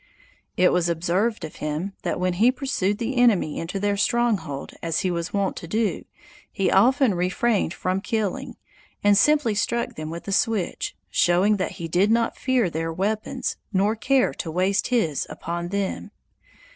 It was observed of him that when he pursued the enemy into their stronghold, as he was wont to do, he often refrained from killing, and simply struck them with a switch, showing that he did not fear their weapons nor care to waste his upon them.